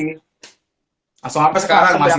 langsung sampai sekarang masih masuk